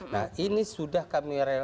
nah ini sudah kami rela